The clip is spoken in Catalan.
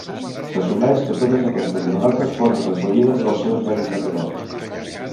S'assumeix que totes aquestes granotes foren recollides dels seus medis naturals.